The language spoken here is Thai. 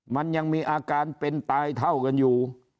มันยังมีอาการเป็นตายเท่ากันอยู่